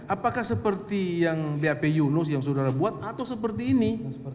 apakah seperti yang bap yunus yang saudara buat atau seperti ini